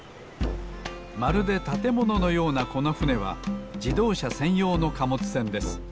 まるでたてもののようなこのふねは自動車せんようの貨物船です。